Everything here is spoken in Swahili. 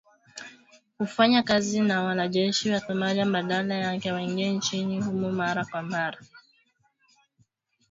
Kufanya kazi na wanajeshi wa Somalia badala yake waingie nchini humo mara kwa mara